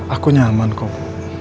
aku nyaman kok